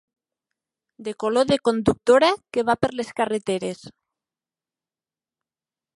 De color de conductora que va per les carreteres